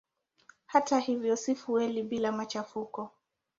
Hata hivyo si fueli bila machafuko.